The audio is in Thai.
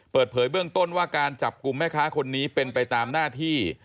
เปิดเผยเบื้องต้นว่าการจับกลุ่มแม่ค้าคนนี้เป็นไปตามหน้าที่